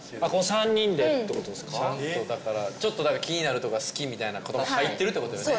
３人とだからちょっとだから気になるとか好きみたいなことも入ってるってことよね？